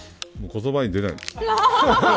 言葉に出ない。